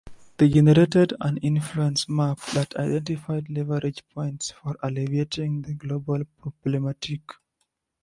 They generated an influence map that identified leverage points for alleviating the global problematique.